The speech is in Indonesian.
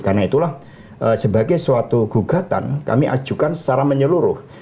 karena itulah sebagai suatu gugatan kami ajukan secara menyeluruh